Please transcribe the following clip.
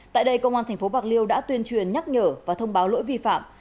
tại đây công an tp bạc liêu đã tuyên truyền nhắc nhở và thông báo lỗi vi phạm